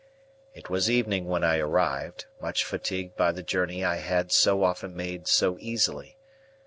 It was evening when I arrived, much fatigued by the journey I had so often made so easily.